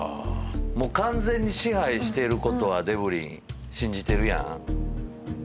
完全に支配していることはデブリン信じてるやん。